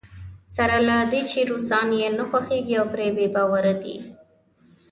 سره له دې چې روسان یې نه خوښېږي او پرې بې باوره دی.